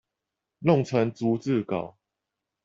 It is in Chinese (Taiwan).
弄成逐字稿